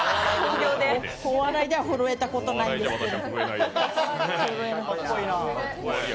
お笑いでは震えたことないんですけど。